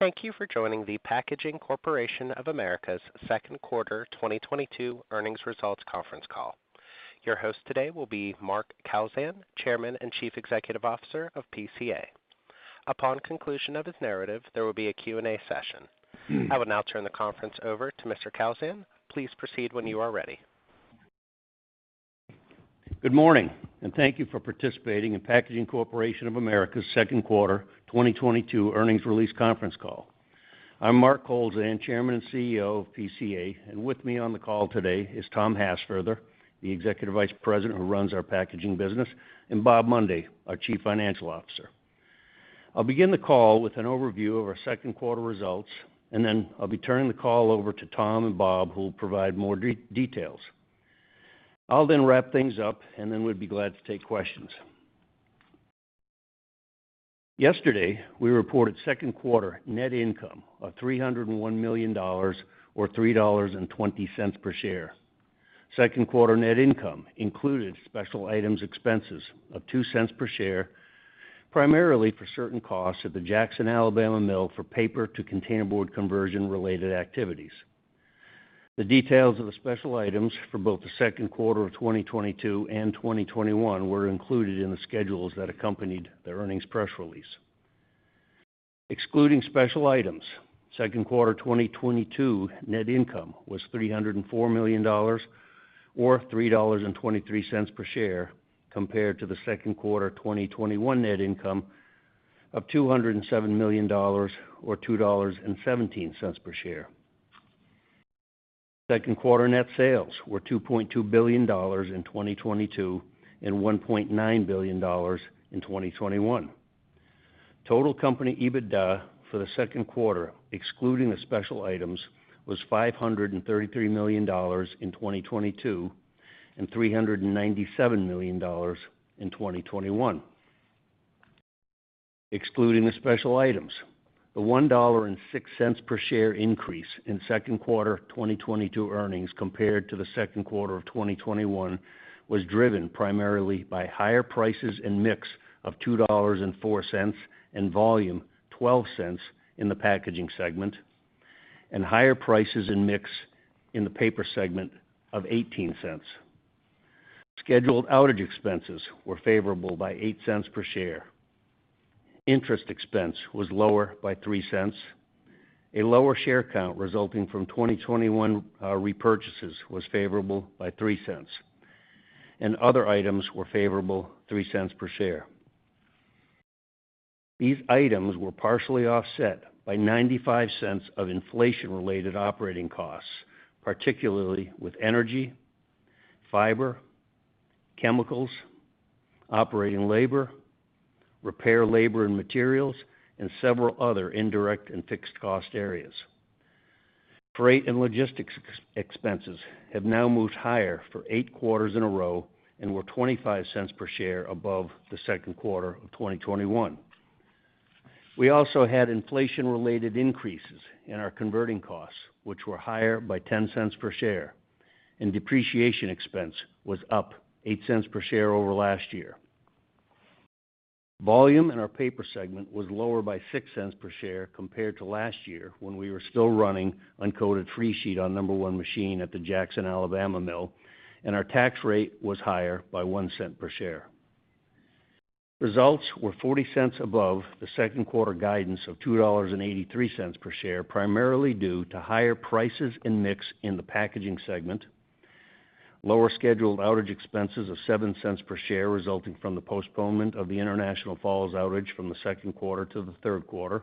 Thank you for joining the Packaging Corporation of America's second quarter 2022 earnings results conference call. Your host today will be Mark Kowlzan, Chairman and Chief Executive Officer of PCA. Upon conclusion of his narrative, there will be a Q&A session. I will now turn the conference over to Mr. Kowlzan. Please proceed when you are ready. Good morning, and thank you for participating in Packaging Corporation of America's second quarter 2022 earnings release conference call. I'm Mark Kowlzan, Chairman and CEO of PCA, and with me on the call today is Tom Hassfurther, the Executive Vice President who runs our packaging business, and Bob Mundy, our Chief Financial Officer. I'll begin the call with an overview of our second quarter results, and then I'll be turning the call over to Tom and Bob, who will provide more details. I'll then wrap things up, and then we'd be glad to take questions. Yesterday, we reported second quarter net income of $301 million or $3.20 per share. Second quarter net income included special items expenses of $0.02 per share, primarily for certain costs at the Jackson, Alabama mill for paper to containerboard conversion-related activities. The details of the special items for both the second quarter of 2022 and 2021 were included in the schedules that accompanied the earnings press release. Excluding special items, second quarter 2022 net income was $304 million or $3.23 per share, compared to the second quarter 2021 net income of $207 million or $2.17 per share. Second quarter net sales were $2.2 billion in 2022 and $1.9 billion in 2021. Total company EBITDA for the second quarter, excluding the special items, was $533 million in 2022 and $397 million in 2021. Excluding the special items, the $1.06 per share increase in second quarter 2022 earnings compared to the second quarter of 2021 was driven primarily by higher prices and mix of $2.04, and volume $0.12 in the Packaging segment, and higher prices and mix in the Paper segment of $0.18. Scheduled outage expenses were favorable by $0.08 per share. Interest expense was lower by $0.03. A lower share count resulting from 2021 repurchases was favorable by $0.03, and other items were favorable $0.03 per share. These items were partially offset by $0.95 of inflation-related operating costs, particularly with energy, fiber, chemicals, operating labor, repair labor and materials, and several other indirect and fixed cost areas. Freight and logistics expenses have now moved higher for 8 quarters in a row and were $0.25 per share above the second quarter of 2021. We also had inflation-related increases in our converting costs, which were higher by $0.10 per share, and depreciation expense was up $0.08 per share over last year. Volume in our Paper segment was lower by $0.06 per share compared to last year when we were still running uncoated freesheet on number one machine at the Jackson, Alabama mill, and our tax rate was higher by $0.01 per share. Results were $0.40 above the second quarter guidance of $2.83 per share, primarily due to higher prices and mix in the Packaging segment, lower scheduled outage expenses of $0.07 per share resulting from the postponement of the International Falls outage from the second quarter to the third quarter,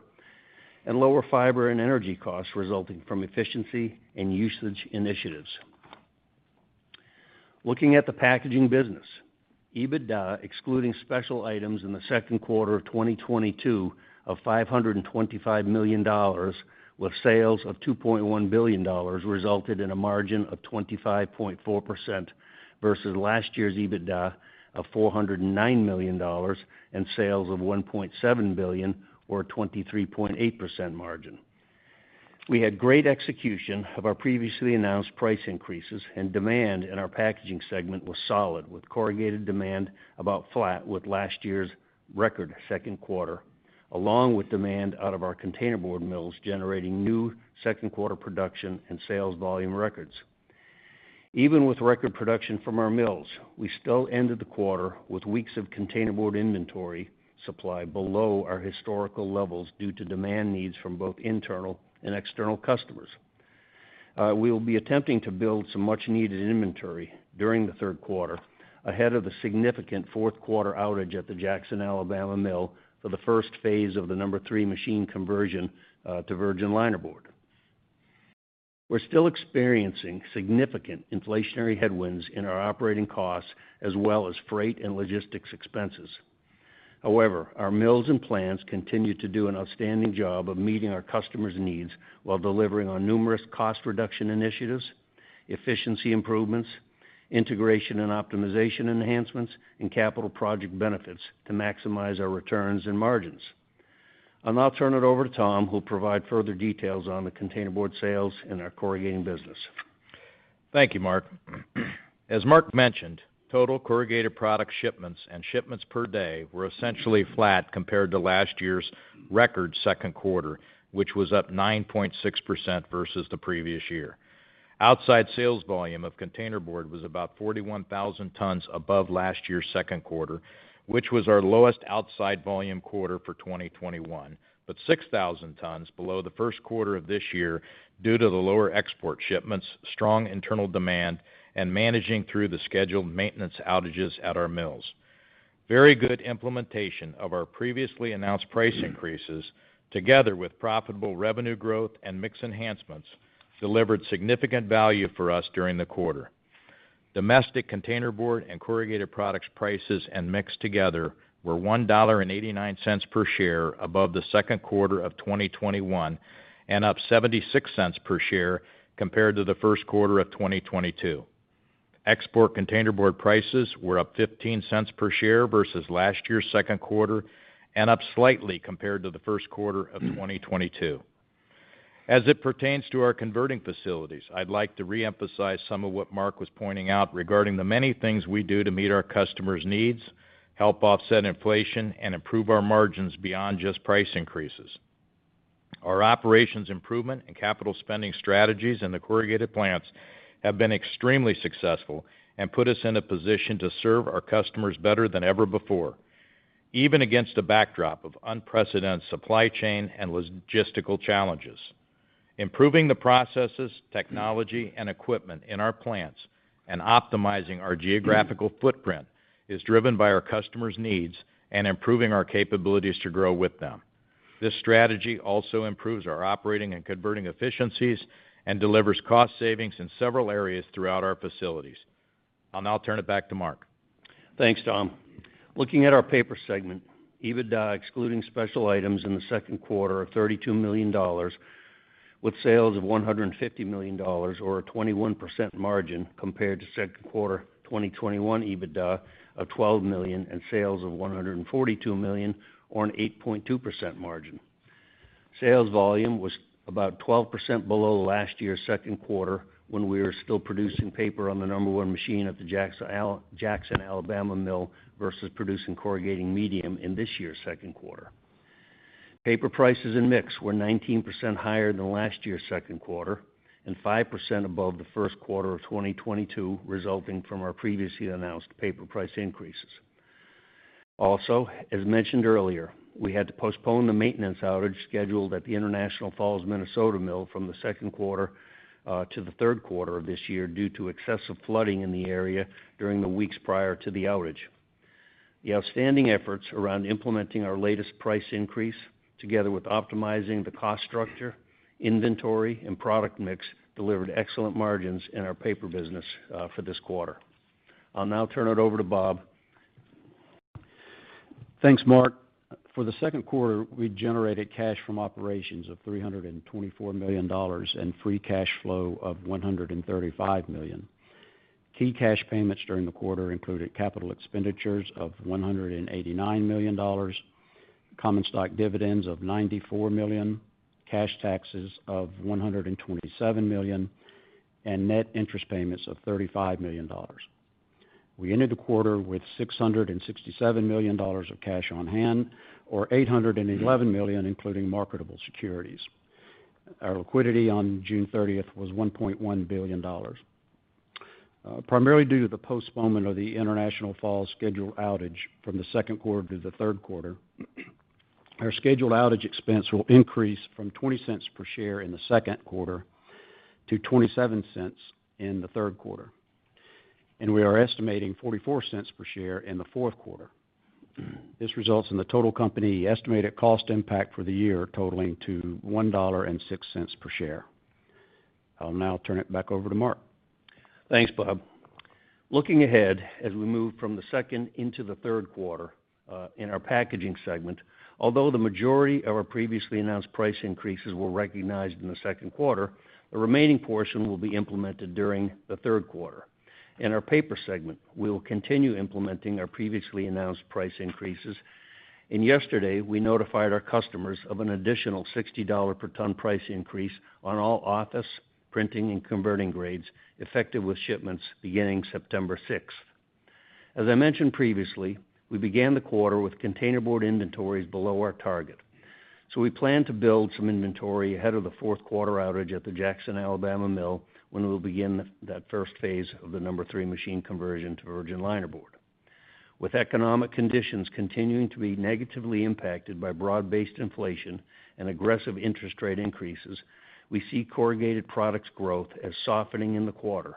and lower fiber and energy costs resulting from efficiency and usage initiatives. Looking at the Packaging business, EBITDA, excluding special items in the second quarter of 2022 of $525 million with sales of $2.1 billion, resulted in a margin of 25.4% versus last year's EBITDA of $409 million and sales of $1.7 billion or 23.8% margin. We had great execution of our previously announced price increases, and demand in our Packaging segment was solid, with corrugated demand about flat with last year's record second quarter, along with demand out of our containerboard mills generating new second quarter production and sales volume records. Even with record production from our mills, we still ended the quarter with weeks of containerboard inventory supply below our historical levels due to demand needs from both internal and external customers. We will be attempting to build some much-needed inventory during the third quarter ahead of the significant fourth quarter outage at the Jackson, Alabama mill for the first phase of the number three machine conversion to virgin linerboard. We're still experiencing significant inflationary headwinds in our operating costs as well as freight and logistics expenses. However, our mills and plants continue to do an outstanding job of meeting our customers' needs while delivering on numerous cost reduction initiatives, efficiency improvements, integration and optimization enhancements, and capital project benefits to maximize our returns and margins. I'll now turn it over to Tom, who'll provide further details on the containerboard sales and our corrugating business. Thank you, Mark. As Mark mentioned, total corrugated products shipments and shipments per day were essentially flat compared to last year's record second quarter, which was up 9.6% versus the previous year. Outside sales volume of containerboard was about 41,000 tons above last year's second quarter, which was our lowest outside volume quarter for 2021, but 6,000 tons below the first quarter of this year due to the lower export shipments, strong internal demand, and managing through the scheduled maintenance outages at our mills. Very good implementation of our previously announced price increases, together with profitable revenue growth and mix enhancements, delivered significant value for us during the quarter. Domestic containerboard and corrugated products prices, and mixed together were $1.89 per share above the second quarter of 2021, and up $0.76 per share compared to the first quarter of 2022. Export containerboard prices were up $0.15 per share versus last year's second quarter, and up slightly compared to the first quarter of 2022. As it pertains to our converting facilities, I'd like to re-emphasize some of what Mark was pointing out regarding the many things we do to meet our customers' needs, help offset inflation, and improve our margins beyond just price increases. Our operations improvement and capital spending strategies in the corrugated plants have been extremely successful and put us in a position to serve our customers better than ever before, even against a backdrop of unprecedented supply chain and logistical challenges. Improving the processes, technology, and equipment in our plants and optimizing our geographical footprint is driven by our customers' needs and improving our capabilities to grow with them. This strategy also improves our operating and converting efficiencies and delivers cost savings in several areas throughout our facilities. I'll now turn it back to Mark. Thanks, Tom. Looking at our Paper segment, EBITDA excluding special items in the second quarter of $32 million with sales of $150 million or a 21% margin compared to second quarter 2021 EBITDA of $12 million and sales of $142 million, or an 8.2% margin. Sales volume was about 12% below last year's second quarter when we were still producing paper on the number one machine at the Jackson, Alabama mill, versus producing corrugating medium in this year's second quarter. Paper prices and mix were 19% higher than last year's second quarter and 5% above the first quarter of 2022, resulting from our previously announced paper price increases. Also, as mentioned earlier, we had to postpone the maintenance outage scheduled at the International Falls, Minnesota mill from the second quarter to the third quarter of this year due to excessive flooding in the area during the weeks prior to the outage. The outstanding efforts around implementing our latest price increase, together with optimizing the cost structure, inventory, and product mix, delivered excellent margins in our paper business for this quarter. I'll now turn it over to Bob. Thanks, Mark. For the second quarter, we generated cash from operations of $324 million and free cash flow of $135 million. Key cash payments during the quarter included capital expenditures of $189 million, common stock dividends of $94 million, cash taxes of $127 million, and net interest payments of $35 million. We ended the quarter with $667 million of cash on hand, or $811 million, including marketable securities. Our liquidity on June 30th was $1.1 billion. Primarily due to the postponement of the International Falls scheduled outage from the second quarter to the third quarter, our scheduled outage expense will increase from $0.20 per share in the second quarter to $0.27 in the third quarter. We are estimating $0.44 per share in the fourth quarter. This results in the total company estimated cost impact for the year totaling to $1.06 per share. I'll now turn it back over to Mark. Thanks, Bob. Looking ahead as we move from the second into the third quarter, in our Packaging segment, although the majority of our previously announced price increases were recognized in the second quarter, the remaining portion will be implemented during the third quarter. In our Paper segment, we will continue implementing our previously announced price increases. Yesterday, we notified our customers of an additional $60 per ton price increase on all office printing and converting grades, effective with shipments beginning September 6th. As I mentioned previously, we began the quarter with containerboard inventories below our target, so we plan to build some inventory ahead of the fourth quarter outage at the Jackson, Alabama mill, when we'll begin that first phase of the number three machine conversion to virgin linerboard. With economic conditions continuing to be negatively impacted by broad-based inflation and aggressive interest rate increases, we see corrugated products growth as softening in the quarter,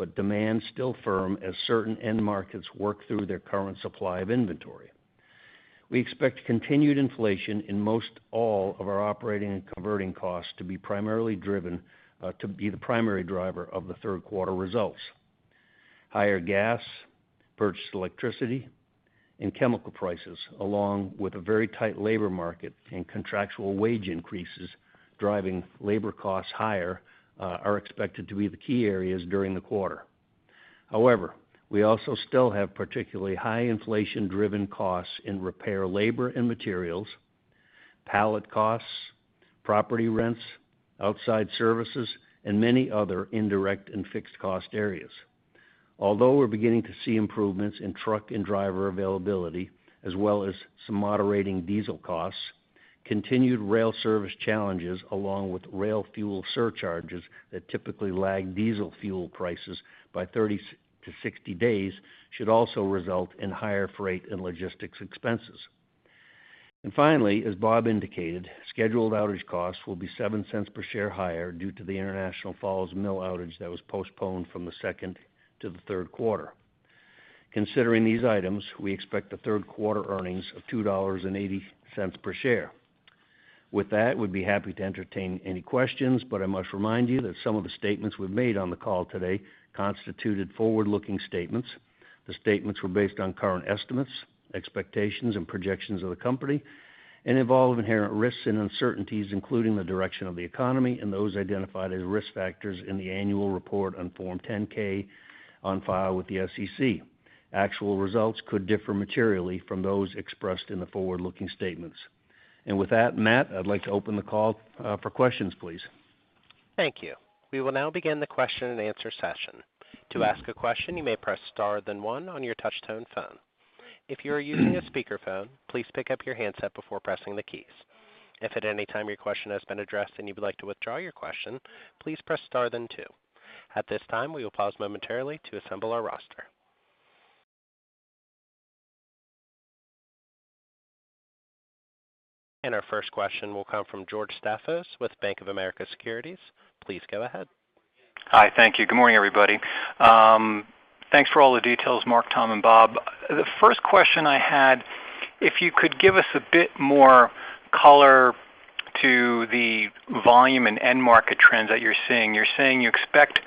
but demand still firm as certain end markets work through their current supply of inventory. We expect continued inflation in most all of our operating and converting costs to be the primary driver of the third quarter results. Higher gas, purchased electricity, and chemical prices, along with a very tight labor market and contractual wage increases driving labor costs higher, are expected to be the key areas during the quarter. However, we also still have particularly high inflation-driven costs in repair, labor and materials. Pallet costs, property rents, outside services, and many other indirect and fixed cost areas. Although we're beginning to see improvements in truck and driver availability, as well as some moderating diesel costs, continued rail service challenges along with rail fuel surcharges that typically lag diesel fuel prices by 30 to 60 days, should also result in higher freight and logistics expenses. Finally, as Bob indicated, scheduled outage costs will be $0.07 per share higher due to the International Falls mill outage that was postponed from the second to the third quarter. Considering these items, we expect the third quarter earnings of $2.80 per share. With that, we'd be happy to entertain any questions, but I must remind you that some of the statements we've made on the call today constituted forward-looking statements. The statements were based on current estimates, expectations, and projections of the company, and involve inherent risks and uncertainties, including the direction of the economy and those identified as risk factors in the annual report on Form 10-K on file with the SEC. Actual results could differ materially from those expressed in the forward-looking statements. With that, Matt, I'd like to open the call for questions, please. Thank you. We will now begin the question-and-answer session. To ask a question, you may press star, then one on your touch-tone phone. If you are using a speakerphone, please pick up your handset before pressing the keys. If at any time your question has been addressed and you would like to withdraw your question, please press star then two. At this time, we will pause momentarily to assemble our roster. Our first question will come from George Staphos with Bank of America Securities. Please go ahead. Hi. Thank you. Good morning, everybody. Thanks for all the details, Mark, Tom, and Bob. The first question I had, if you could give us a bit more color to the volume and end market trends that you're seeing. You're saying you expect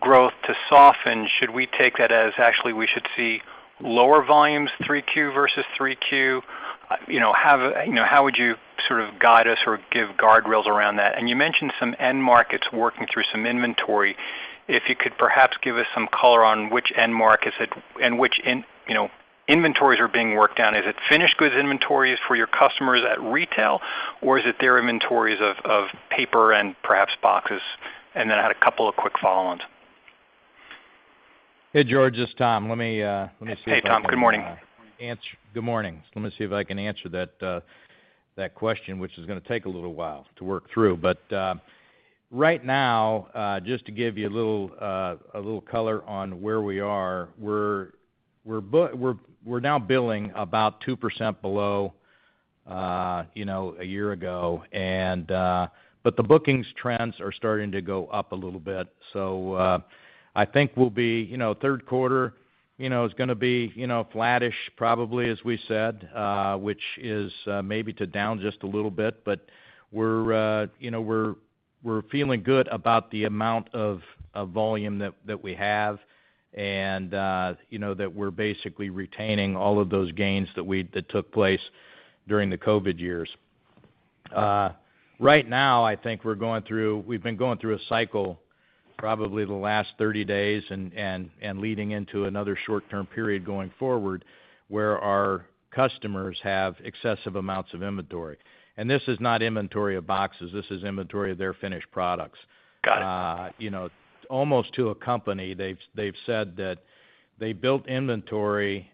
growth to soften. Should we take that as actually we should see lower volumes 3Q versus 3Q? You know, how would you sort of guide us or give guardrails around that? You mentioned some end markets working through some inventory. If you could perhaps give us some color on which end markets you know, inventories are being worked down. Is it finished goods inventories for your customers at retail, or is it their inventories of paper and perhaps boxes? Then I had a couple of quick follow-ons. Hey, George, this is Tom. Let me see if I can. Hey, Tom. Good morning. Good morning. Let me see if I can answer that question, which is gonna take a little while to work through. Right now, just to give you a little color on where we are. We're now billing about 2% below, you know, a year ago. But the bookings trends are starting to go up a little bit. I think we'll be, you know, third quarter, you know, is gonna be, you know, flattish probably, as we said, which is, maybe down to just a little bit. We're feeling good about the amount of volume that we have and, you know, that we're basically retaining all of those gains that took place during the COVID years. Right now, I think we've been going through a cycle probably the last 30 days and leading into another short-term period going forward, where our customers have excessive amounts of inventory. This is not inventory of boxes, this is inventory of their finished products. Got it. You know, almost to a company, they've said that they built inventory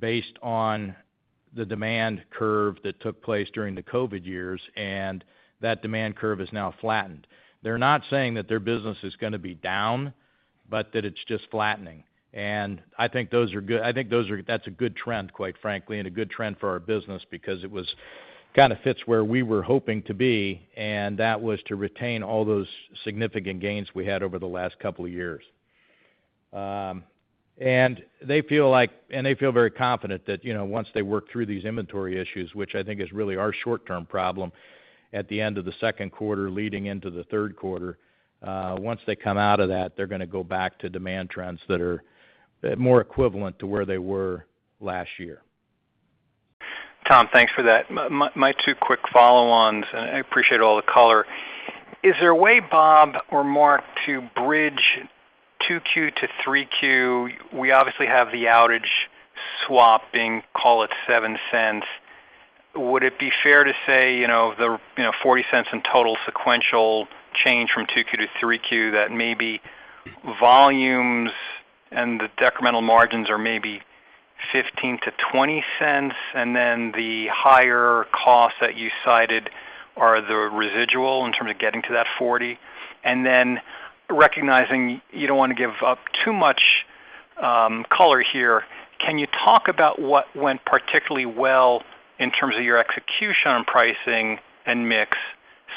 based on the demand curve that took place during the COVID years, and that demand curve is now flattened. They're not saying that their business is gonna be down, but that it's just flattening. I think those are good. I think that's a good trend, quite frankly, and a good trend for our business because it kinda fits where we were hoping to be, and that was to retain all those significant gains we had over the last couple of years. They feel very confident that, you know, once they work through these inventory issues, which I think is really our short-term problem at the end of the second quarter leading into the third quarter, once they come out of that, they're gonna go back to demand trends that are more equivalent to where they were last year. Tom, thanks for that. My two quick follow-ons, and I appreciate all the color. Is there a way, Bob or Mark, to bridge 2Q to 3Q? We obviously have the outage swap being, call it $0.07. Would it be fair to say, you know, the, you know, $0.40 in total sequential change from 2Q to 3Q, that maybe volumes and the decremental margins are maybe $0.15-$0.20, and then the higher costs that you cited are the residual in terms of getting to that $0.40? Recognizing you don't wanna give up too much color here, can you talk about what went particularly well in terms of your execution on pricing and mix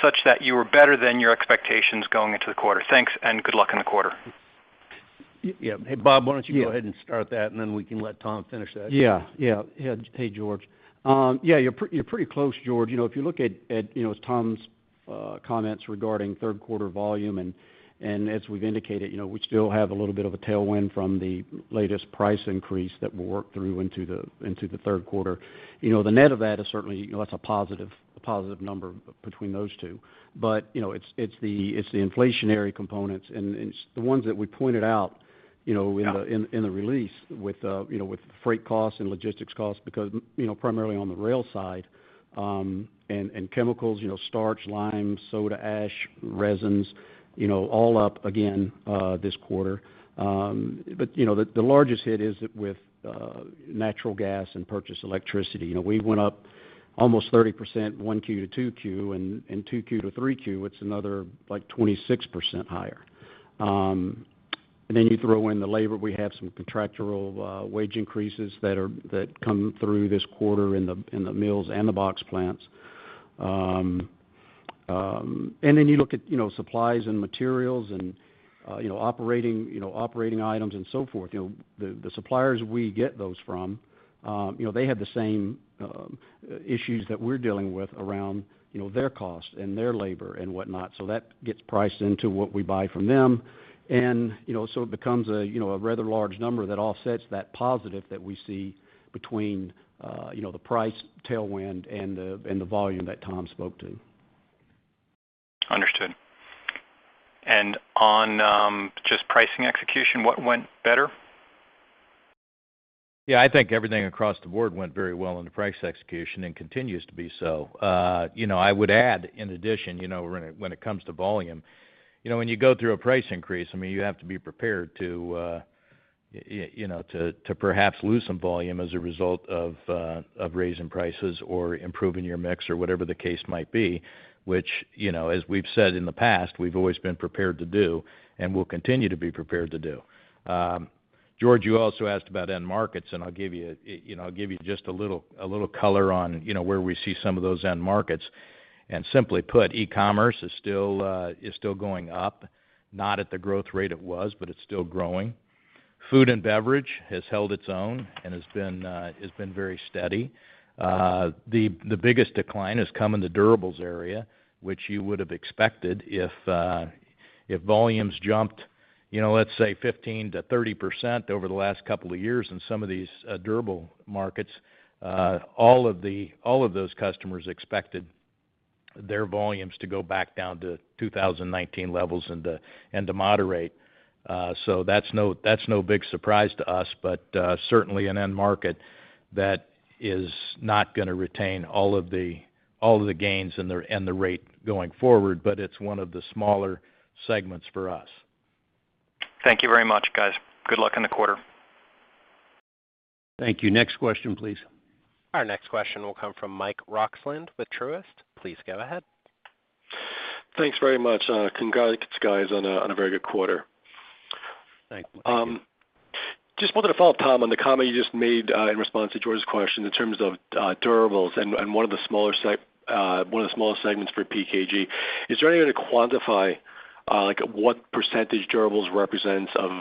such that you were better than your expectations going into the quarter? Thanks, and good luck in the quarter. Yeah. Hey, Bob, why don't you go ahead and start that, and then we can let Tom finish that. Yeah, yeah. Yeah, hey, George. Yeah, you're pretty close, George. You know, if you look at, you know, as Tom's comments regarding third quarter volume, and as we've indicated, you know, we still have a little bit of a tailwind from the latest price increase that we'll work through into the third quarter. You know, the net of that is certainly, you know, that's a positive number between those two. But you know, it's the inflationary components and the ones that we pointed out, you know. Yeah In the release with, you know, with freight costs and logistics costs because, you know, primarily on the rail side, and chemicals, you know, starch, lime, soda ash, resins, you know, all up again this quarter. You know, the largest hit is with natural gas and purchased electricity. You know, we went up almost 30% 1Q to 2Q, and 2Q to 3Q, it's another, like, 26% higher. And then you throw in the labor, we have some contractual wage increases that come through this quarter in the mills and the box plants. And then you look at, you know, supplies and materials and, you know, operating items and so forth. You know, the suppliers we get those from, you know, they have the same issues that we're dealing with around, you know, their costs and their labor and whatnot, so that gets priced into what we buy from them. You know, so it becomes a you know, a rather large number that offsets that positive that we see between, you know, the price tailwind and the volume that Tom spoke to. Understood. On just pricing execution, what went better? Yeah, I think everything across the board went very well in the price execution and continues to be so. You know, I would add in addition, you know, when it comes to volume, you know, when you go through a price increase, I mean, you have to be prepared to you know, to perhaps lose some volume as a result of raising prices or improving your mix or whatever the case might be. Which, you know, as we've said in the past, we've always been prepared to do and will continue to be prepared to do. George, you also asked about end markets, and I'll give you you know, I'll give you just a little color on where we see some of those end markets. Simply put, e-commerce is still going up. Not at the growth rate it was, but it's still growing. Food and beverage has held its own and has been very steady. The biggest decline has come in the durables area, which you would've expected if volumes jumped, you know, let's say 15%-30% over the last couple of years in some of these durable markets. All of those customers expected their volumes to go back down to 2019 levels and to moderate. That's no big surprise to us, but certainly an end market that is not gonna retain all of the gains and the rate going forward, but it's one of the smaller segments for us. Thank you very much, guys. Good luck in the quarter. Thank you. Next question, please. Our next question will come from Mike Roxland with Truist. Please go ahead. Thanks very much. Congrats, guys, on a very good quarter. Thank you. Just wanted to follow up, Tom, on the comment you just made in response to George's question in terms of durables and one of the smaller segments for PKG. Is there any way to quantify, like, what percentage durables represents of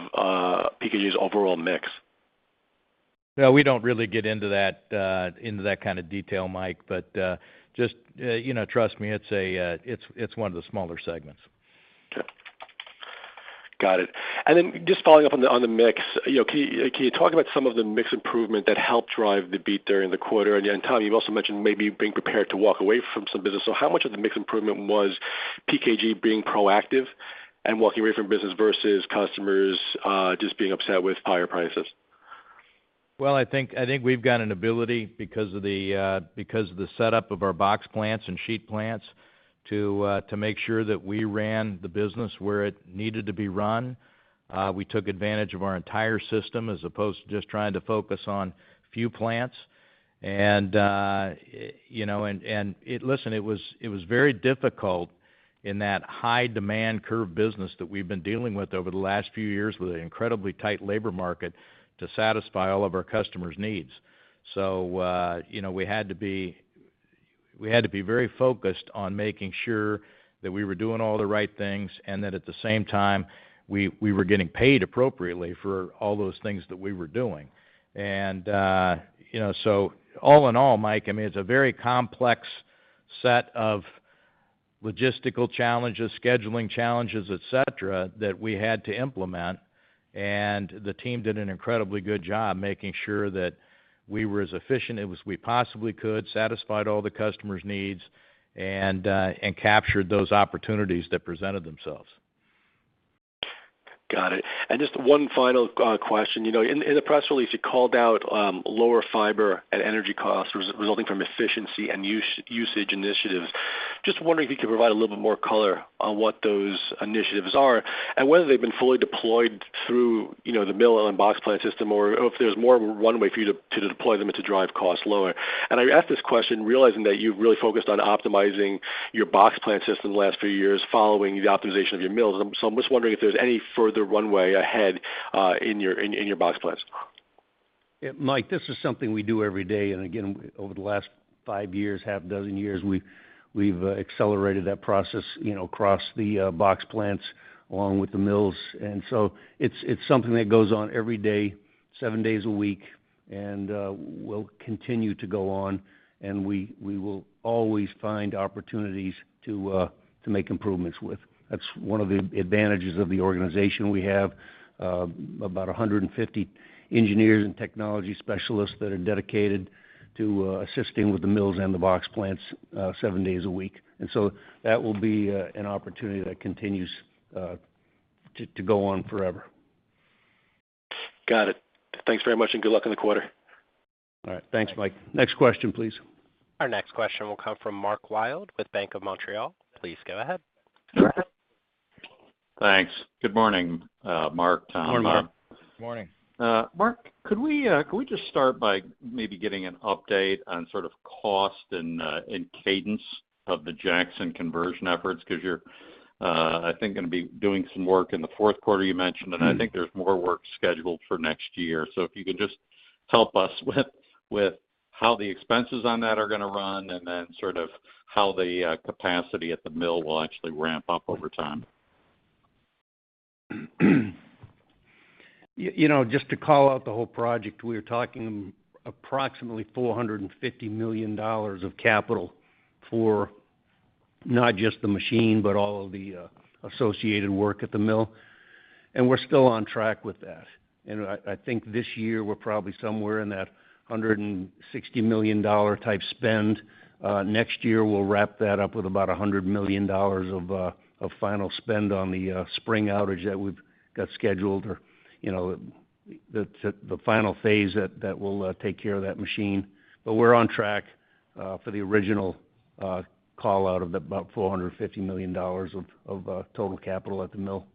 PKG's overall mix? No, we don't really get into that kind of detail, Mike. Just you know, trust me, it's one of the smaller segments. Okay. Got it. Just following up on the mix. You know, can you talk about some of the mix improvement that helped drive the beat there in the quarter? Tom, you've also mentioned maybe being prepared to walk away from some business. How much of the mix improvement was PKG being proactive and walking away from business versus customers just being upset with higher prices? Well, I think we've got an ability because of the setup of our box plants and sheet plants to make sure that we ran the business where it needed to be run. We took advantage of our entire system as opposed to just trying to focus on few plants. You know, it was very difficult in that high-demand corrugated business that we've been dealing with over the last few years with an incredibly tight labor market to satisfy all of our customers' needs. You know, we had to be very focused on making sure that we were doing all the right things and that at the same time, we were getting paid appropriately for all those things that we were doing. You know, so all in all, Mike, I mean, it's a very complex set of logistical challenges, scheduling challenges, et cetera, that we had to implement. The team did an incredibly good job making sure that we were as efficient as we possibly could, satisfied all the customers' needs, and captured those opportunities that presented themselves. Got it. Just one final question. In the press release, you called out lower fiber and energy costs resulting from efficiency and usage initiatives. Just wondering if you could provide a little bit more color on what those initiatives are and whether they've been fully deployed through the mill and box plant system or if there's more runway for you to deploy them and to drive costs lower. I ask this question realizing that you've really focused on optimizing your box plant system the last few years following the optimization of your mills. I'm just wondering if there's any further runway ahead in your box plants. Yeah, Mike, this is something we do every day. Again, over the last 5 years, we've accelerated that process, you know, across the box plants along with the mills. It's something that goes on every day. Seven days a week and will continue to go on, and we will always find opportunities to make improvements with. That's one of the advantages of the organization. We have about 150 engineers and technology specialists that are dedicated to assisting with the mills and the box plants seven days a week. That will be an opportunity that continues to go on forever. Got it. Thanks very much, and good luck in the quarter. All right. Thanks, Mike. Next question, please. Our next question will come from Mark Wilde with Bank of Montreal. Please go ahead. Thanks. Good morning, Mark, Tom. Good morning. Morning. Mark, could we just start by maybe getting an update on sort of cost and cadence of the Jackson conversion efforts, 'cause you're, I think gonna be doing some work in the fourth quarter you mentioned? Mm-hmm. I think there's more work scheduled for next year. If you could just help us with how the expenses on that are gonna run, and then sort of how the capacity at the mill will actually ramp up over time. You know, just to call out the whole project, we are talking approximately $450 million of capital for not just the machine, but all of the associated work at the mill, and we're still on track with that. I think this year we're probably somewhere in that $160 million type spend. Next year we'll wrap that up with about $100 million of final spend on the spring outage that we've got scheduled or, you know, the final phase that will take care of that machine. We're on track for the original call out of about $450 million of total capital at the mill.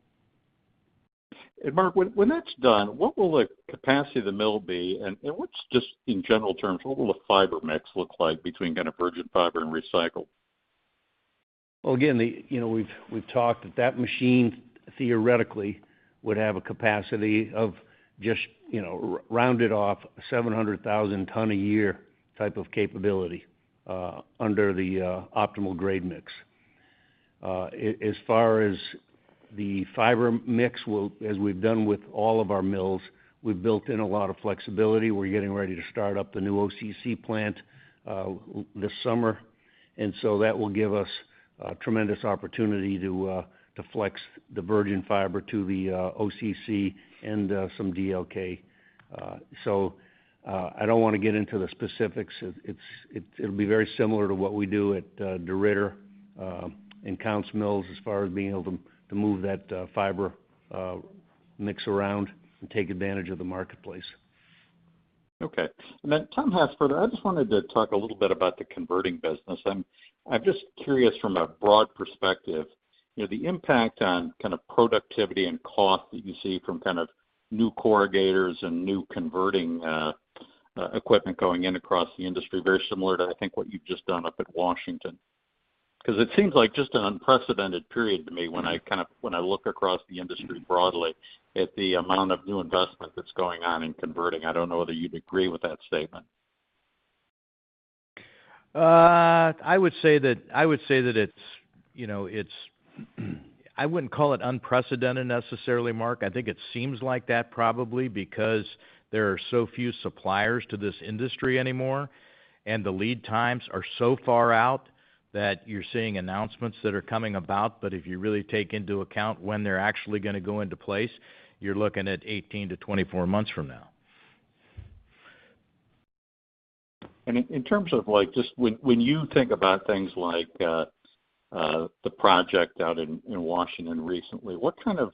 Mark, when that's done, what will the capacity of the mill be, and what's just in general terms, what will the fiber mix look like between kind of virgin fiber and recycled? Well, again, you know, we've talked that machine theoretically would have a capacity of just, you know, rounded off 700,000 tons a year type of capability under the optimal grade mix. As far as the fiber mix, as we've done with all of our mills, we've built in a lot of flexibility. We're getting ready to start up the new OCC plant this summer, and so that will give us a tremendous opportunity to flex the virgin fiber to the OCC and some DLK. So, I don't wanna get into the specifics. It'll be very similar to what we do at DeRidder and Counce Mill as far as being able to move that fiber mix around and take advantage of the marketplace. Okay. Tom Hassfurther, I just wanted to talk a little bit about the converting business. I'm just curious from a broad perspective, you know, the impact on kind of productivity and cost that you see from kind of new corrugators and new converting equipment going in across the industry, very similar to, I think, what you've just done up at Washington. 'Cause it seems like just an unprecedented period to me when I look across the industry broadly, at the amount of new investment that's going on in converting. I don't know whether you'd agree with that statement. I would say that it's, you know, I wouldn't call it unprecedented necessarily, Mark. I think it seems like that probably because there are so few suppliers to this industry anymore, and the lead times are so far out that you're seeing announcements that are coming about. If you really take into account when they're actually gonna go into place, you're looking at 18-24 months from now. In terms of, like, just when you think about things like the project out in Washington recently, what kind of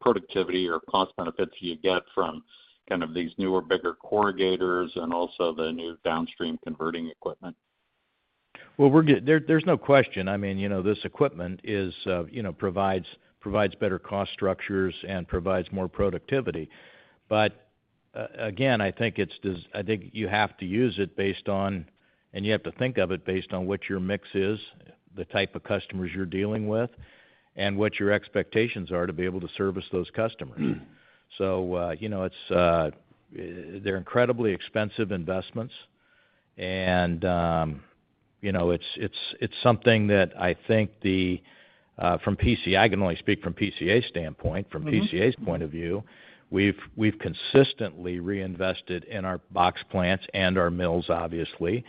productivity or cost benefits do you get from kind of these newer, bigger corrugators and also the new downstream converting equipment? There's no question. I mean, you know, this equipment provides better cost structures and provides more productivity. Again, I think you have to use it based on, and you have to think of it based on what your mix is, the type of customers you're dealing with, and what your expectations are to be able to service those customers. You know, they're incredibly expensive investments and, you know, it's something that I think, from PCA, I can only speak from PCA standpoint. From PCA's point of view, we've consistently reinvested in our box plants and our mills obviously.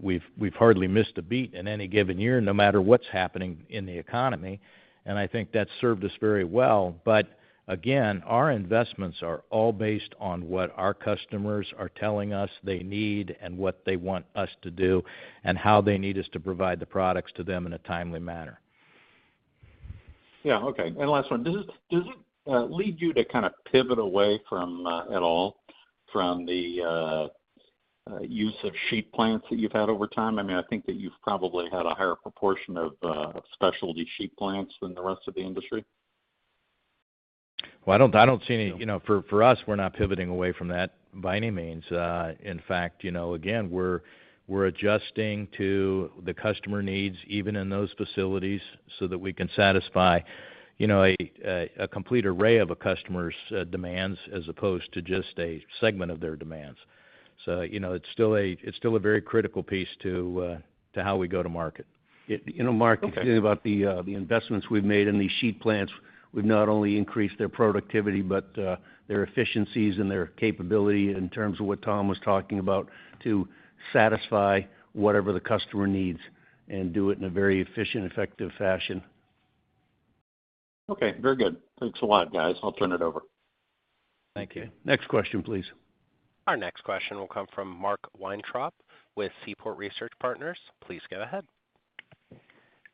We've hardly missed a beat in any given year, no matter what's happening in the economy, and I think that's served us very well. Again, our investments are all based on what our customers are telling us they need and what they want us to do, and how they need us to provide the products to them in a timely manner. Yeah. Okay. Last one. Does it lead you to kind of pivot away from at all from the use of sheet plants that you've had over time? I mean, I think that you've probably had a higher proportion of specialty sheet plants than the rest of the industry. Well, I don't see any, you know, for us, we're not pivoting away from that by any means. In fact, you know, again, we're adjusting to the customer needs even in those facilities so that we can satisfy, you know, a complete array of a customer's demands as opposed to just a segment of their demands. You know, it's still a very critical piece to how we go to market. You know, Mark. Okay. Thinking about the investments we've made in these sheet plants, we've not only increased their productivity, but their efficiencies and their capability in terms of what Tom was talking about, to satisfy whatever the customer needs and do it in a very efficient, effective fashion. Okay. Very good. Thanks a lot, guys. I'll turn it over. Thank you. Next question, please. Our next question will come from Mark Weintraub with Seaport Research Partners. Please go ahead.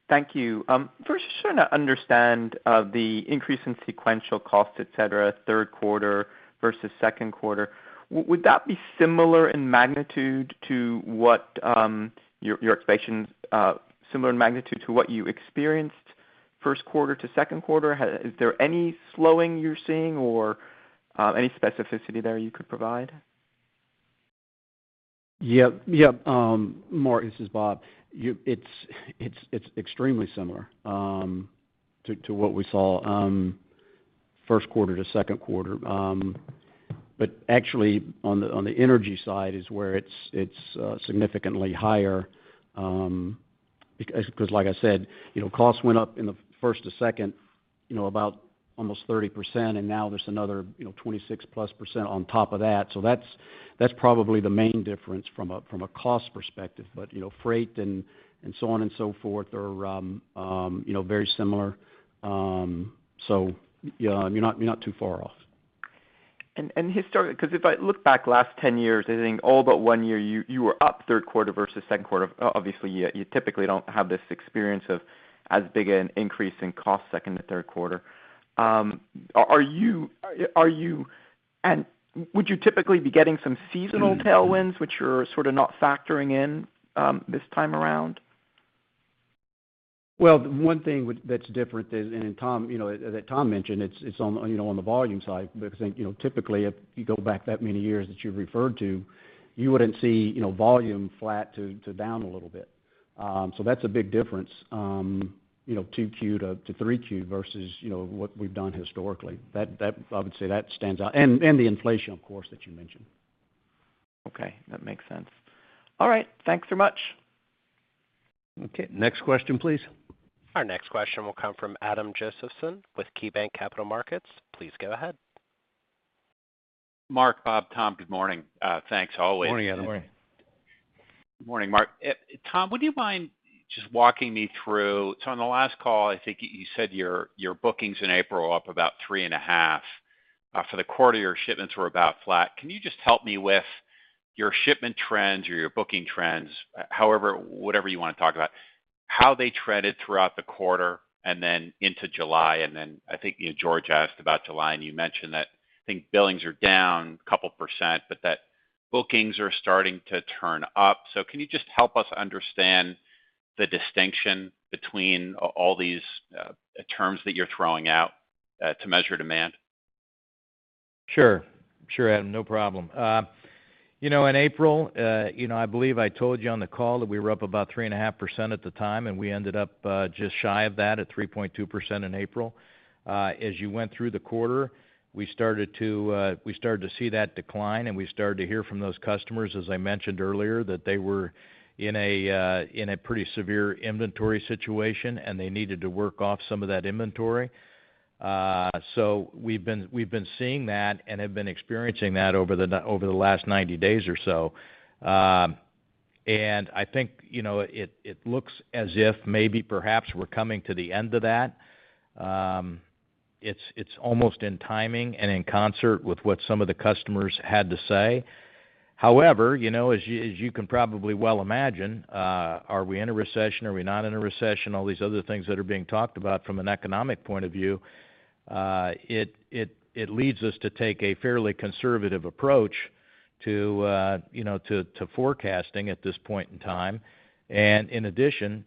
Thank you. First just trying to understand the increase in sequential cost, et cetera, third quarter versus second quarter. Would that be similar in magnitude to what your expectations, similar in magnitude to what you experienced first quarter to second quarter? Is there any slowing you're seeing or any specificity there you could provide? Yep. Yep, Mark Kowlzan, this is Bob. It's extremely similar to what we saw first quarter to second quarter. Actually on the energy side is where it's significantly higher, because like I said, you know, costs went up in the first to second, you know, about almost 30%, and now there's another, you know, 26%+ on top of that. That's probably the main difference from a cost perspective. You know, freight and so on and so forth are very similar. Yeah, you're not too far off. Historically, 'cause if I look back last 10 years, I think all but one year, you were up third quarter versus second quarter. Obviously you typically don't have this experience of as big an increase in cost second to third quarter. Would you typically be getting some seasonal tailwinds which you're sort of not factoring in, this time around? Well, one thing that's different is, and Tom, you know, as Tom mentioned, it's on, you know, on the volume side. Because I think, you know, typically if you go back that many years that you've referred to, you wouldn't see, you know, volume flat to down a little bit. That's a big difference, you know, 2Q to 3Q versus, you know, what we've done historically. That I would say that stands out and the inflation, of course, that you mentioned. Okay. That makes sense. All right. Thanks so much. Okay. Next question, please. Our next question will come from Adam Josephson with KeyBanc Capital Markets. Please go ahead. Mark, Bob, Tom, good morning. Thanks always. Morning, Adam. Morning. Morning, Mark. Tom, would you mind just walking me through. On the last call, I think you said your bookings in April were up about 3.5%. For the quarter, your shipments were about flat. Can you just help me with your shipment trends or your booking trends, however, whatever you wanna talk about, how they trended throughout the quarter and then into July? I think, you know, George asked about July, and you mentioned that, I think billings are down 2%, but that bookings are starting to turn up. Can you just help us understand the distinction between all these terms that you're throwing out to measure demand? Sure. Sure, Adam, no problem. You know, in April, you know, I believe I told you on the call that we were up about 3.5% at the time, and we ended up just shy of that at 3.2% in April. As you went through the quarter, we started to see that decline, and we started to hear from those customers, as I mentioned earlier, that they were in a pretty severe inventory situation, and they needed to work off some of that inventory. We've been seeing that and have been experiencing that over the last 90 days or so. I think, you know, it looks as if maybe perhaps we're coming to the end of that. It's almost in timing and in concert with what some of the customers had to say. However, you know, as you can probably well imagine, are we in a recession? Are we not in a recession? All these other things that are being talked about from an economic point of view, it leads us to take a fairly conservative approach to forecasting at this point in time. In addition,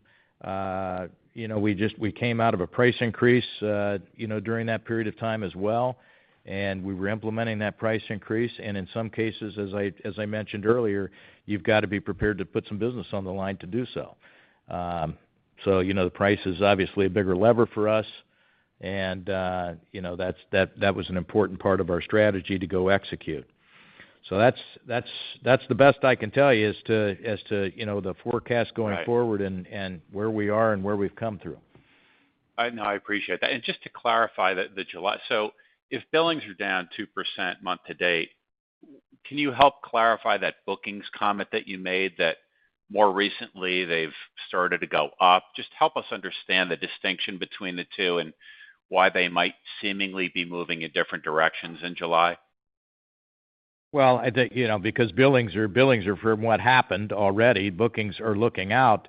you know, we just came out of a price increase during that period of time as well, and we were implementing that price increase. In some cases, as I mentioned earlier, you've got to be prepared to put some business on the line to do so. You know, the price is obviously a bigger lever for us and, you know, that was an important part of our strategy to go execute. That's the best I can tell you as to, you know, the forecast going forward. Right. where we are and where we've come through. I know. I appreciate that. Just to clarify the July. If billings are down 2% month to date, can you help clarify that bookings comment that you made, that more recently they've started to go up? Just help us understand the distinction between the two and why they might seemingly be moving in different directions in July. Well, I think, you know, because billings are from what happened already. Bookings are looking out,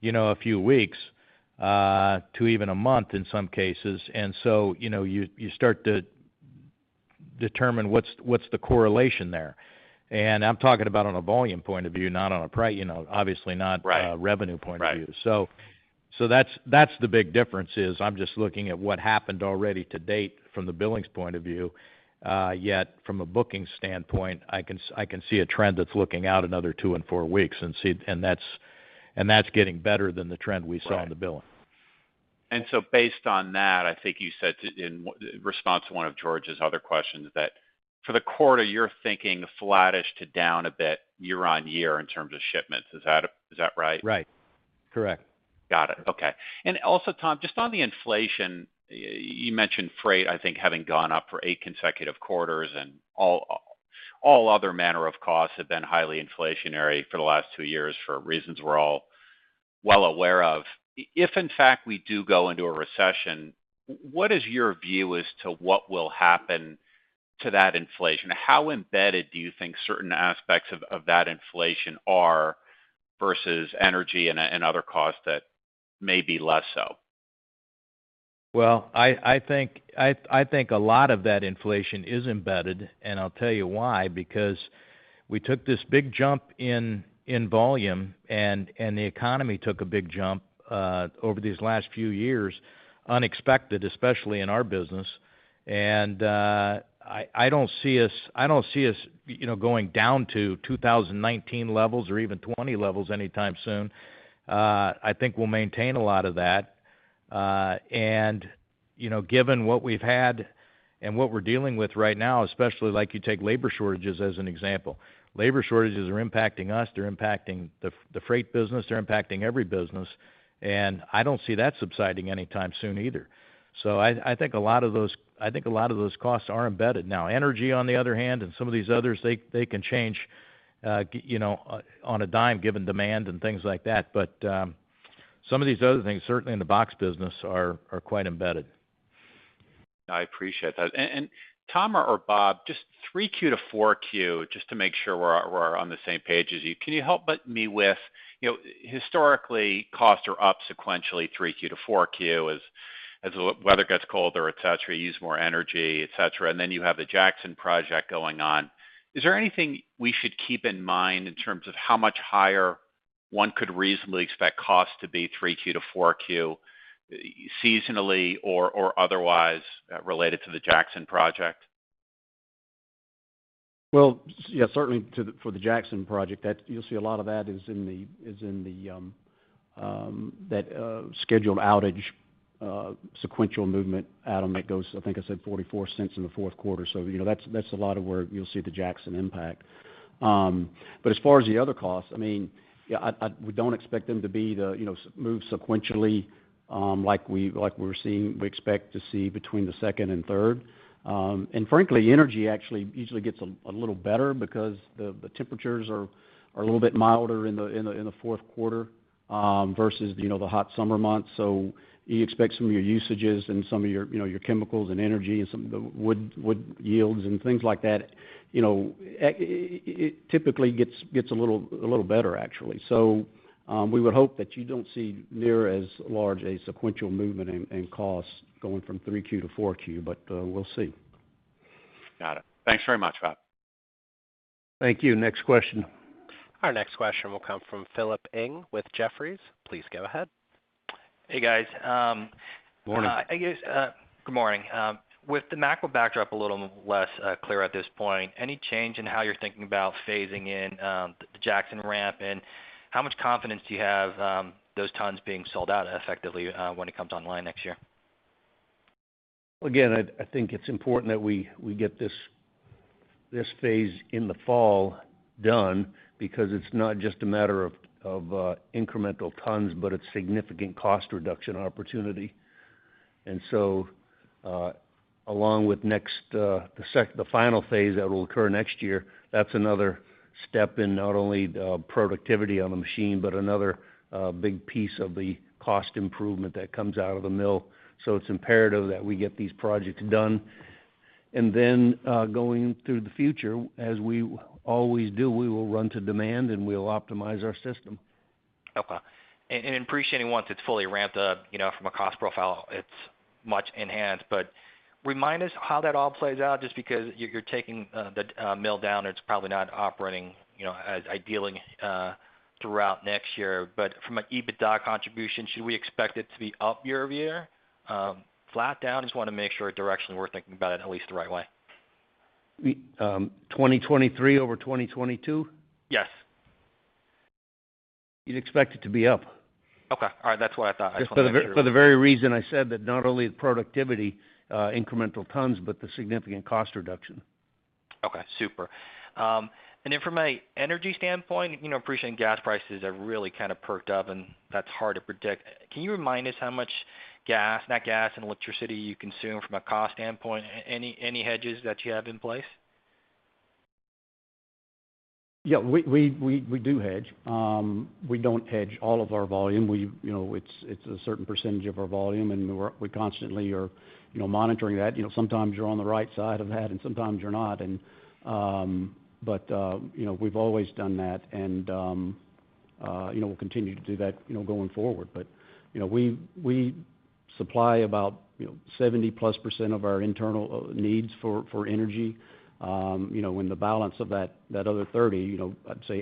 you know, a few weeks to even a month in some cases. You know, you start to determine what's the correlation there. I'm talking about on a volume point of view, not, you know, obviously not. Right. a revenue point of view. Right. That's the big difference is I'm just looking at what happened already to date from the billings point of view. Yet from a booking standpoint, I can see a trend that's looking out another 2 to 4 weeks, and that's getting better than the trend we saw. Right. on the billing. Based on that, I think you said in response to one of George's other questions that for the quarter, you're thinking flattish to down a bit year-on-year in terms of shipments. Is that right? Right. Correct. Got it. Okay. Also, Tom, just on the inflation, you mentioned freight, I think, having gone up for 8 consecutive quarters and all other manner of costs have been highly inflationary for the last 2 years for reasons we're all well aware of. If in fact we do go into a recession, what is your view as to what will happen to that inflation? How embedded do you think certain aspects of that inflation are versus energy and other costs that may be less so? Well, I think a lot of that inflation is embedded, and I'll tell you why. Because we took this big jump in volume and the economy took a big jump over these last few years, unexpected, especially in our business. I don't see us, you know, going down to 2019 levels or even 2020 levels anytime soon. I think we'll maintain a lot of that. You know, given what we've had and what we're dealing with right now, especially like you take labor shortages as an example. Labor shortages are impacting us, they're impacting the freight business, they're impacting every business, and I don't see that subsiding anytime soon either. I think a lot of those costs are embedded. Now, energy, on the other hand, and some of these others, they can change, you know, on a dime given demand and things like that. Some of these other things, certainly in the box business, are quite embedded. I appreciate that. Tom or Bob, just 3Q to 4Q, just to make sure we're on the same page as you. Can you help me with, you know, historically, costs are up sequentially 3Q to 4Q as the weather gets colder, et cetera, you use more energy, et cetera, and then you have the Jackson project going on. Is there anything we should keep in mind in terms of how much higher one could reasonably expect costs to be 3Q to 4Q, seasonally or otherwise, related to the Jackson project? Yeah, certainly for the Jackson project, you'll see a lot of that is in the that scheduled outage sequential movement item that goes, I think I said $0.44 in the fourth quarter. You know, that's a lot of where you'll see the Jackson impact. But as far as the other costs, I mean, yeah, I. We don't expect them to be the, you know, move sequentially like we're seeing we expect to see between the second and third. Frankly, energy actually usually gets a little better because the temperatures are a little bit milder in the fourth quarter versus, you know, the hot summer months. You expect some of your usages and some of your, you know, your chemicals and energy and some of the wood yields and things like that, you know, it typically gets a little better, actually. We would hope that you don't see near as large a sequential movement in costs going from 3Q to 4Q, but we'll see. Got it. Thanks very much, Bob. Thank you. Next question. Our next question will come from Philip Ng with Jefferies. Please go ahead. Hey, guys. Morning. I guess, good morning. With the macro backdrop a little less clear at this point, any change in how you're thinking about phasing in, the Jackson ramp? How much confidence do you have, those tons being sold out effectively, when it comes online next year? Again, I think it's important that we get this phase in the fall done because it's not just a matter of incremental tons, but it's significant cost reduction opportunity. Along with next, the final phase that will occur next year, that's another step in not only the productivity on the machine, but another big piece of the cost improvement that comes out of the mill. It's imperative that we get these projects done. Going through the future, as we always do, we will run to demand and we'll optimize our system. Okay. Appreciating once it's fully ramped up, you know, from a cost profile, it's much enhanced. Remind us how that all plays out, just because you're taking the mill down, it's probably not operating, you know, as ideally throughout next year. From an EBITDA contribution, should we expect it to be up year-over-year? Flat down? Just wanna make sure directionally we're thinking about it at least the right way. We, 2023 over 2022? Yes. You'd expect it to be up. Okay. All right. That's what I thought. I just wanted to make sure. For the very reason I said that not only the productivity, incremental tons, but the significant cost reduction. Okay, super. From an energy standpoint, you know, appreciating gas prices have really kind of perked up, and that's hard to predict. Can you remind us how much gas, nat gas and electricity you consume from a cost standpoint? Any hedges that you have in place? Yeah, we do hedge. We don't hedge all of our volume. We, you know, it's a certain percentage of our volume, and we're constantly, you know, monitoring that. You know, sometimes you're on the right side of that and sometimes you're not. You know, we've always done that and, you know, we'll continue to do that, you know, going forward. You know, we supply about, you know, 70+% of our internal needs for energy. You know, when the balance of that other 30, you know, I'd say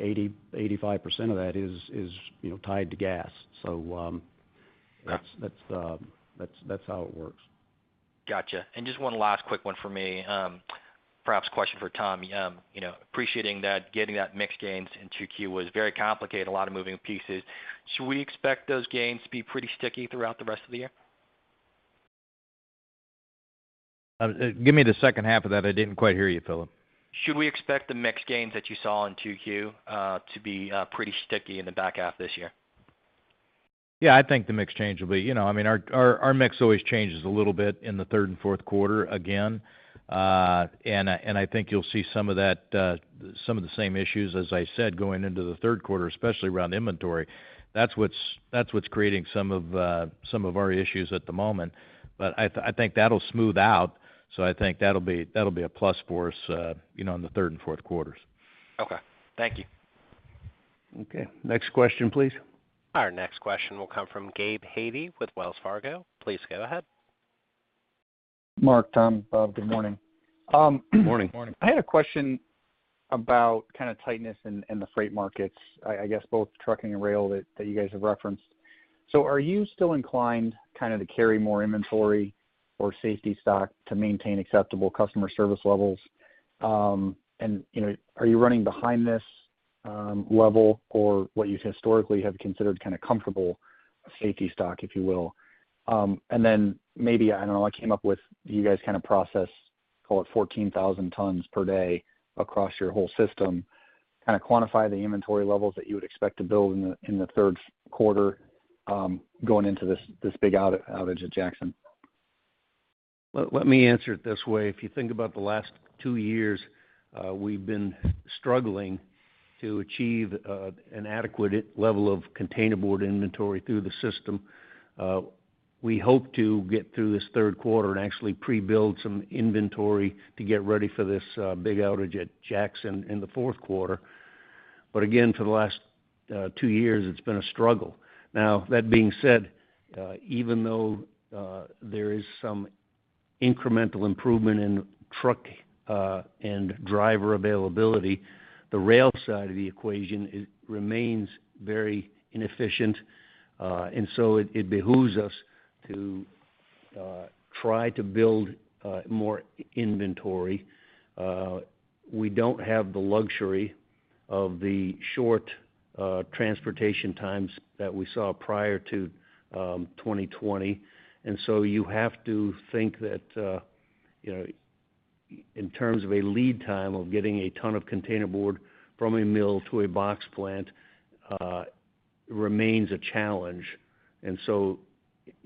80%-85% of that is tied to gas. That's how it works. Gotcha. Just one last quick one for me. Perhaps question for Tom. You know, appreciating that getting that mix gains in 2Q was very complicated, a lot of moving pieces. Should we expect those gains to be pretty sticky throughout the rest of the year? Give me the second half of that. I didn't quite hear you, Philip. Should we expect the mix gains that you saw in 2Q to be pretty sticky in the back half this year? Yeah, I think the mix change will be. You know, I mean, our mix always changes a little bit in the third and fourth quarter again. I think you'll see some of that, some of the same issues as I said, going into the third quarter, especially around inventory. That's what's creating some of our issues at the moment. I think that'll smooth out. I think that'll be a plus for us, you know, in the third and fourth quarters. Okay. Thank you. Okay. Next question, please. Our next question will come from Gabe Hajde with Wells Fargo. Please go ahead. Mark, Tom, Bob, good morning. Morning. Morning. I had a question about kind of tightness in the freight markets, I guess both trucking and rail that you guys have referenced. Are you still inclined kind of to carry more inventory or safety stock to maintain acceptable customer service levels? You know, are you running behind this level or what you historically have considered kind of comfortable safety stock, if you will? Maybe, I don't know, I came up with you guys kind of process, call it 14,000 tons per day across your whole system. Kind of quantify the inventory levels that you would expect to build in the third quarter, going into this big outage at Jackson. Let me answer it this way. If you think about the last two years, we've been struggling to achieve an adequate level of containerboard inventory through the system. We hope to get through this third quarter and actually pre-build some inventory to get ready for this big outage at Jackson in the fourth quarter. For the last two years, it's been a struggle. Now, that being said, even though there is some incremental improvement in truck and driver availability, the rail side of the equation, it remains very inefficient. It behooves us to try to build more inventory. We don't have the luxury of the short transportation times that we saw prior to 2020. You have to think that, you know, in terms of a lead time of getting a ton of containerboard from a mill to a box plant, remains a challenge.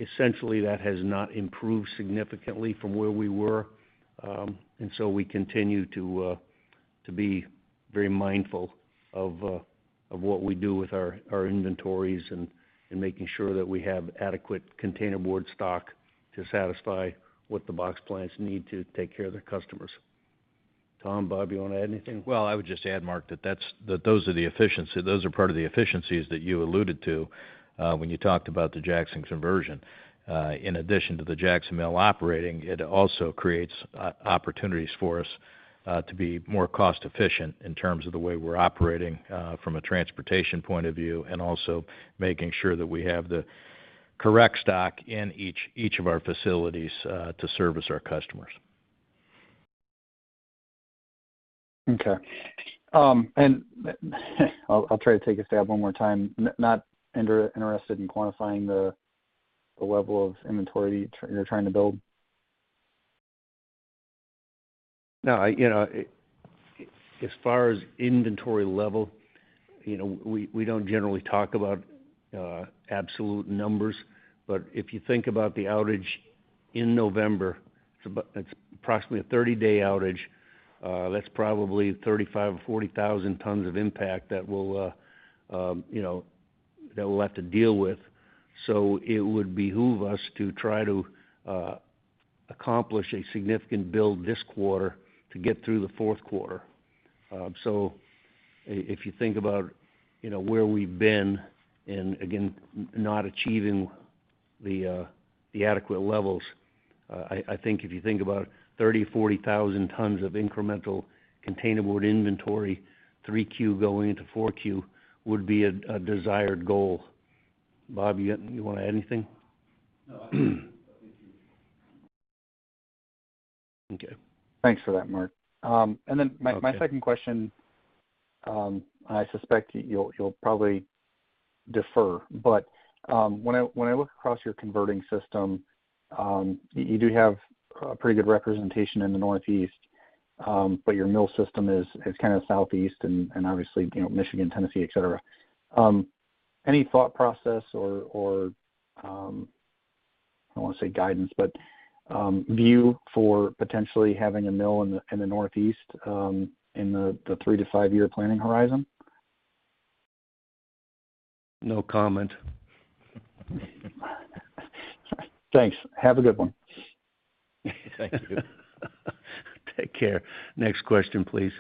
Essentially that has not improved significantly from where we were. We continue to be very mindful of what we do with our inventories and making sure that we have adequate containerboard stock to satisfy what the box plants need to take care of their customers. Tom, Bob, you wanna add anything? Well, I would just add, Mark, that those are part of the efficiencies that you alluded to, when you talked about the Jackson conversion. In addition to the Jackson Mill operating, it also creates opportunities for us to be more cost efficient in terms of the way we're operating from a transportation point of view, and also making sure that we have the correct stock in each of our facilities to service our customers. Okay. I'll try to take a stab one more time. Not interested in quantifying the level of inventory you're trying to build? No. You know, as far as inventory level, you know, we don't generally talk about absolute numbers. If you think about the outage in November, it's approximately a 30-day outage. That's probably 35,000 or 40,000 tons of impact that we'll have to deal with. It would behoove us to try to accomplish a significant build this quarter to get through the fourth quarter. If you think about, you know, where we've been and again, not achieving the adequate levels, I think if you think about 30,000-40,000 tons of incremental containerboard inventory, 3Q going into 4Q, would be a desired goal. Bob, you wanna add anything? No. I think you- Okay. Thanks for that, Mark. My Okay. My second question, I suspect you'll probably defer. When I look across your converting system, you do have a pretty good representation in the Northeast, but your mill system is kind of Southeast and obviously, you know, Michigan, Tennessee, et cetera. Any thought process or I don't wanna say guidance, but view for potentially having a mill in the Northeast, in the 3-5-year planning horizon? No comment. Thanks. Have a good one. Thank you. Take care. Next question, please.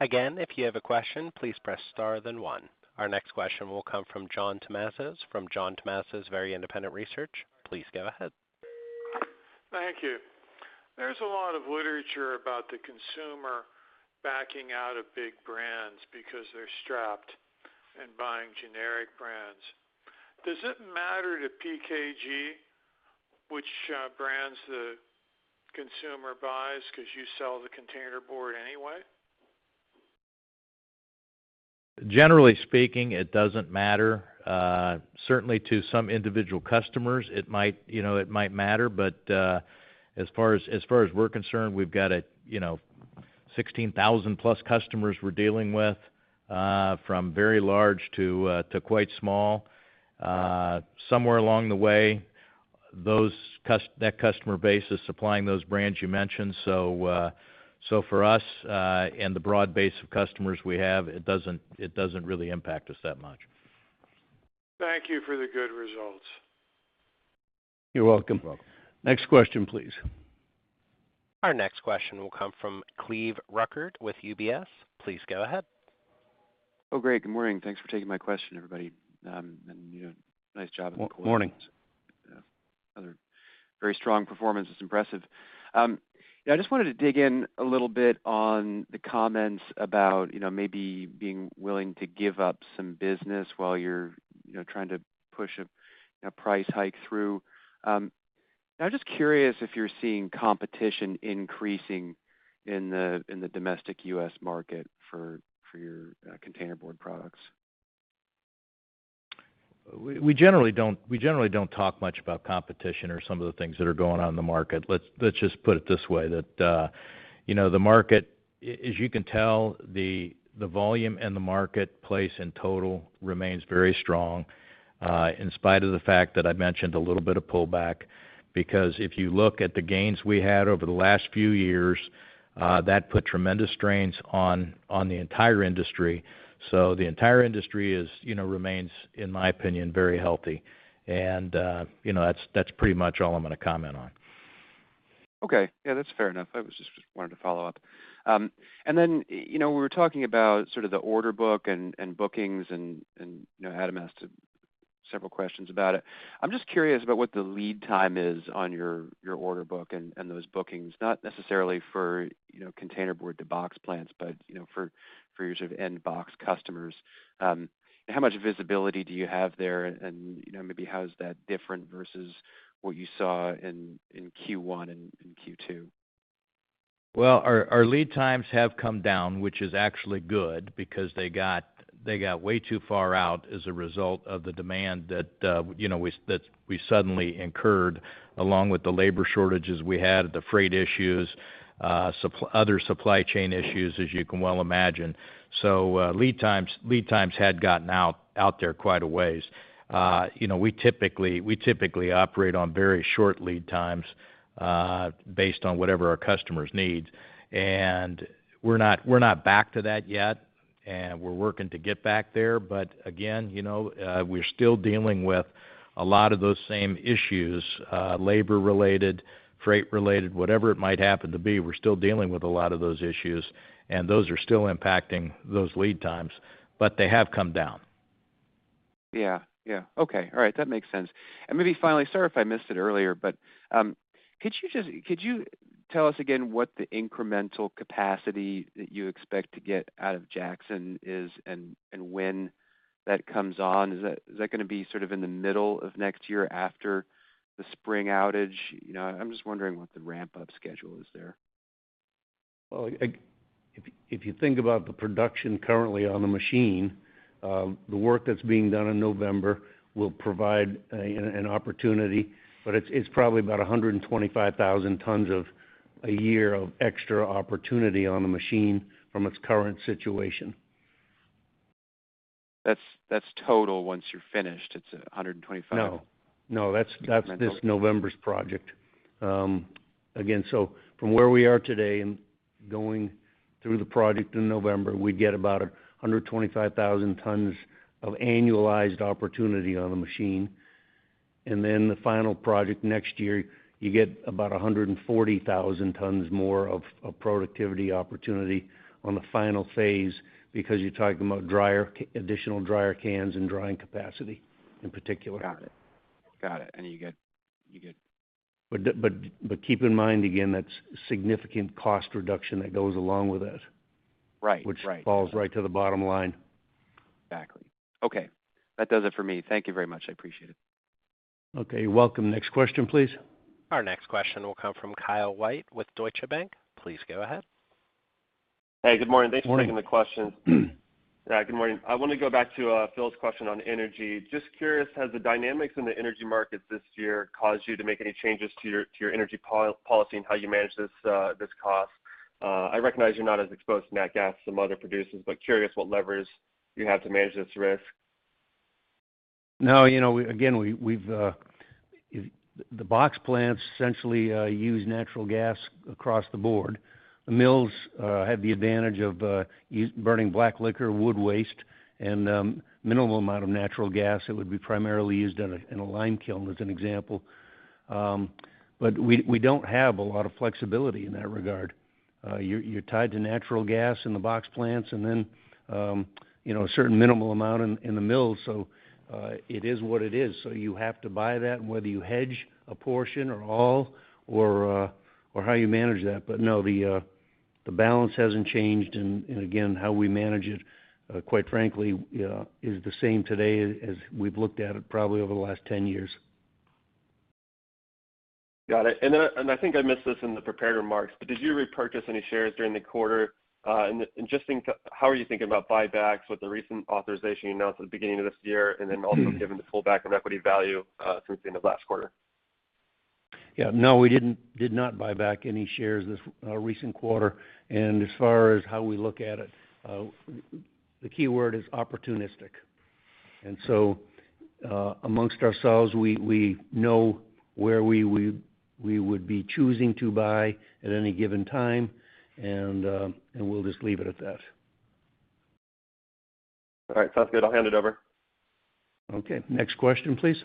Again, if you have a question, please press star then one. Our next question will come from John Tumazos from John Tumazos Very Independent Research. Please go ahead. Thank you. There's a lot of literature about the consumer backing out of big brands because they're strapped and buying generic brands. Does it matter to PKG which brands the consumer buys 'cause you sell the containerboard anyway? Generally speaking, it doesn't matter. Certainly to some individual customers, it might, you know, it might matter, but as far as we're concerned, we've got, you know, 16,000 plus customers we're dealing with, from very large to quite small. Somewhere along the way, that customer base is supplying those brands you mentioned. For us and the broad base of customers we have, it doesn't really impact us that much. Thank you for the good results. You're welcome. Next question, please. Our next question will come from Cleve Rueckert with UBS. Please go ahead. Oh, great. Good morning. Thanks for taking my question, everybody, and you know, nice job on the call. Morning Yeah, other very strong performance. It's impressive. Yeah, I just wanted to dig in a little bit on the comments about, you know, maybe being willing to give up some business while you're, you know, trying to push a price hike through. I'm just curious if you're seeing competition increasing in the domestic U.S. market for your containerboard products. We generally don't talk much about competition or some of the things that are going on in the market. Let's just put it this way, that you know, the market, as you can tell, the volume and the marketplace in total remains very strong, in spite of the fact that I mentioned a little bit of pullback. Because if you look at the gains we had over the last few years, that put tremendous strains on the entire industry. The entire industry, you know, remains, in my opinion, very healthy. You know, that's pretty much all I'm gonna comment on. Okay. Yeah, that's fair enough. I was just wanted to follow up. And then, you know, we were talking about sort of the order book and bookings and, you know, Adam asked several questions about it. I'm just curious about what the lead time is on your order book and those bookings, not necessarily for containerboard to box plants, but for your sort of end box customers. How much visibility do you have there? And, you know, maybe how is that different versus what you saw in Q1 and Q2? Well, our lead times have come down, which is actually good because they got way too far out as a result of the demand that you know we suddenly incurred, along with the labor shortages we had, the freight issues, other supply chain issues, as you can well imagine. Lead times had gotten out there quite a ways. You know, we typically operate on very short lead times based on whatever our customers need. We're not back to that yet, and we're working to get back there. Again, you know, we're still dealing with a lot of those same issues, labor-related, freight-related, whatever it might happen to be. We're still dealing with a lot of those issues, and those are still impacting those lead times, but they have come down. Yeah, yeah. Okay. All right. That makes sense. Maybe finally, sorry if I missed it earlier, but could you tell us again what the incremental capacity that you expect to get out of Jackson is and when that comes on? Is that gonna be sort of in the middle of next year after the spring outage? You know, I'm just wondering what the ramp-up schedule is there. Well, if you think about the production currently on the machine, the work that's being done in November will provide an opportunity, but it's probably about 125,000 tons a year of extra opportunity on the machine from its current situation. That's total once you're finished, it's 125,000 tons. No. Incremental. That's this November's project. Again, from where we are today and going through the project in November, we'd get about 125,000 tons of annualized opportunity on the machine. Then the final project next year, you get about 140,000 tons more of productivity opportunity on the final phase because you're talking about dryer, additional dryer cans and drying capacity in particular. Got it. You get. Keep in mind, again, that's significant cost reduction that goes along with that. Right. Right. Which falls right to the bottom line. Exactly. Okay. That does it for me. Thank you very much. I appreciate it. Okay, you're welcome. Next question, please. Our next question will come from Kyle White with Deutsche Bank. Please go ahead. Hey, good morning. Morning. Thanks for taking the question. Yeah, good morning. I wanna go back to Phil's question on energy. Just curious, has the dynamics in the energy markets this year caused you to make any changes to your energy policy and how you manage this cost? I recognize you're not as exposed to nat gas as some other producers, but curious what levers you have to manage this risk. No, you know, again, we've the box plants essentially use natural gas across the board. The mills have the advantage of burning black liquor, wood waste, and minimal amount of natural gas that would be primarily used in a lime kiln, as an example. We don't have a lot of flexibility in that regard. You're tied to natural gas in the box plants and then you know, a certain minimal amount in the mill. It is what it is. You have to buy that, whether you hedge a portion or all or how you manage that. No, the balance hasn't changed. Again, how we manage it, quite frankly, is the same today as we've looked at it probably over the last 10 years. Got it. I think I missed this in the prepared remarks, but did you repurchase any shares during the quarter? Just how are you thinking about buybacks with the recent authorization you announced at the beginning of this year, and then also given the pullback of equity value since the end of last quarter? Yeah. No, we didn't, did not buy back any shares this recent quarter. As far as how we look at it, the key word is opportunistic. Amongst ourselves, we would be choosing to buy at any given time, and we'll just leave it at that. All right, sounds good. I'll hand it over. Okay. Next question, please.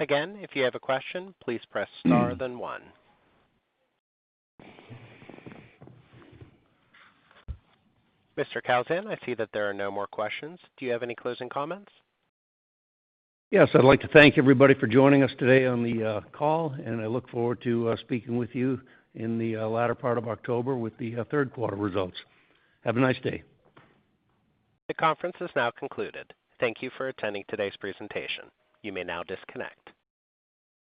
Again, if you have a question, please press star then one. Mr. Kowlzan, I see that there are no more questions. Do you have any closing comments? Yes, I'd like to thank everybody for joining us today on the call, and I look forward to speaking with you in the latter part of October with the third quarter results. Have a nice day. The conference is now concluded. Thank you for attending today's presentation. You may now disconnect.